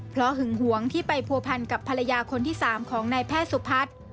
เพราะหึงหวงที่ไปผัวพันกับภรรยาคนที่๓ของนายแพทย์สุพัฒน์